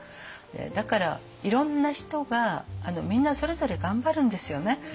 だからいろんな人がみんなそれぞれ頑張るんですよね。